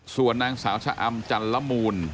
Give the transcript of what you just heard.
ส่วนนางสาวชะอำจันละมูล